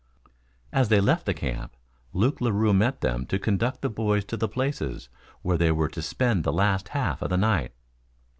As they left the camp, Luke Larue met them to conduct the boys to the places where they were to spend the last half of the night.